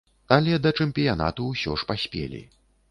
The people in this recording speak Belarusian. Але да чэмпіянату ўсё ж паспелі.